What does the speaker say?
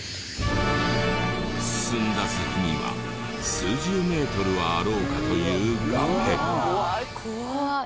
進んだ先には数十メートルはあろうかという崖。